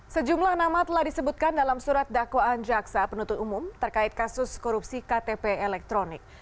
sejumlah nama telah disebutkan dalam surat dakwaan jaksa penuntut umum terkait kasus korupsi ktp elektronik